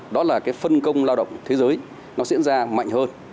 đó là cái phân công lao động thế giới nó diễn ra mạnh hơn